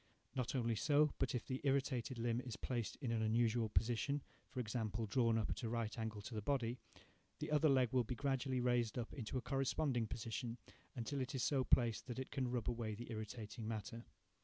Not only so, but if the irritated limb is placed in an unusual position, for example, drawn up at a right angle to the body, the other leg will be gradually raised up into a corresponding position, until it is so placed that it can rub away the irritating matter.